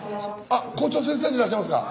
あっ校長先生でいらっしゃいますか。